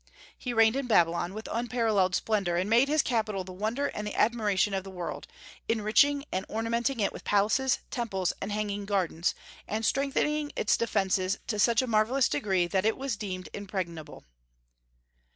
He reigned in Babylon with unparalleled splendor, and made his capital the wonder and the admiration of the world, enriching and ornamenting it with palaces, temples, and hanging gardens, and strengthening its defences to such a marvellous degree that it was deemed impregnable.